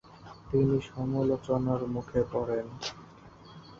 তিনি সমালোচনার মুখে পড়েন।